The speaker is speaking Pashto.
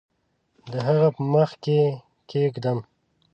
د هغه په مخ کې کښېږدم